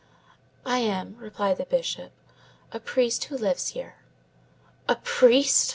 "I am," replied the Bishop, "a priest who lives here." "A priest!"